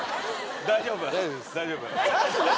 大丈夫？